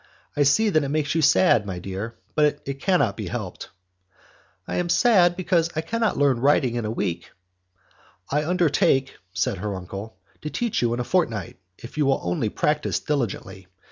I see that it makes you sad, my dear, but it cannot be helped." "I am sad, because I cannot learn writing in a week." "I undertake," said her uncle, "to teach you in a fortnight, if you will only practice diligently.